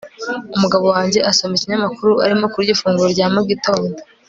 umugabo wanjye asoma ikinyamakuru arimo kurya ifunguro rya mu gitondo